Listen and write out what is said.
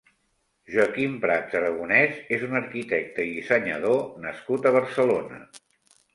Joaquim Prats Aragonés és un arquitecte i dissenyador nascut a Barcelona.